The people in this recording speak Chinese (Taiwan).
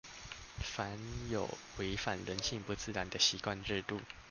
凡有違反人性不自然的習慣制度